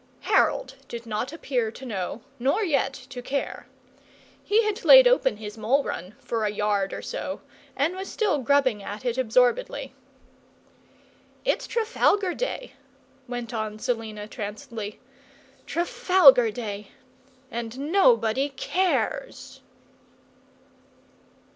Harold did not appear to know, nor yet to care. He had laid open his mole run for a yard or so, and was still grubbing at it absorbedly. "It's Trafalgar Day," went on Selina, trancedly; "Trafalgar Day and nobody cares!"